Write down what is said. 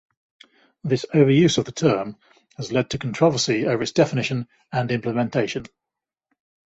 This overuse of the term has led to controversy over its definition and implementation.